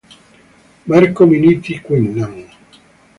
Marco Minniti, Quinlan